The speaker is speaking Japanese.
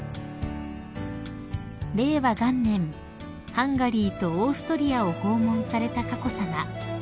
［ハンガリーとオーストリアを訪問された佳子さま］